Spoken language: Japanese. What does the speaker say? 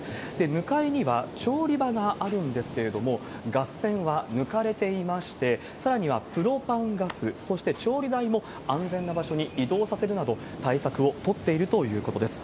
向かいには、調理場があるんですけれども、ガス栓は抜かれていまして、さらにはプロパンガス、そして調理台も安全な場所に移動させるなど、対策を取っているということです。